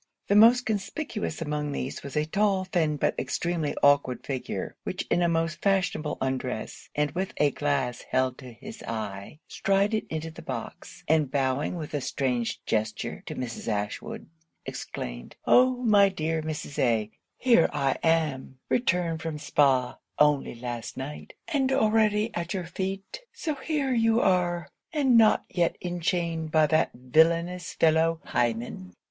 The most conspicuous among these was a tall, thin, but extremely awkward figure, which in a most fashionable undress, and with a glass held to his eye, strided into the box, and bowing with a strange gesture to Mrs. Ashwood, exclaimed 'Oh! my dear Mrs. A! here I am! returned from Spa only last night; and already at your feet. So here you are? and not yet enchained by that villainous fellow Hymen?